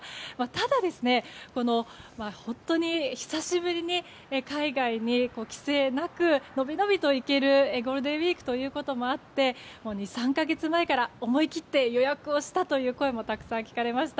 ただ、本当に久しぶりに海外に規制なくのびのびと行けるゴールデンウィークということもあって２３か月前から思い切って予約をしたという声もたくさん聞かれました。